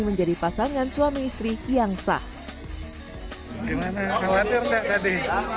menjadi pasangan suami istri yang sah gimana ya khawatir nggak tadi